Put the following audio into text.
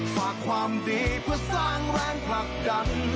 ฝากความดีเพื่อสร้างแรงผลักดัน